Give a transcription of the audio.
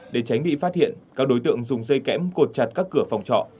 để tránh bị phát hiện các đối tượng dùng dây kẽm cột chặt các cửa phòng trọ